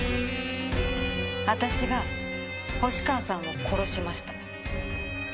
私が星川さんを殺しました。